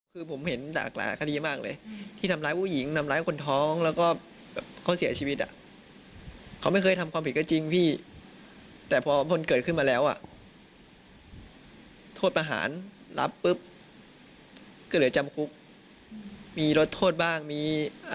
คือประหารคือประหารนะพี่